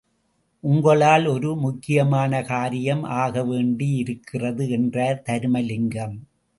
உங்களால் ஒரு முக்கியமான காரியம் ஆகவேண்டி யிருக்கிறது என்றார் தருமலிங்கம்.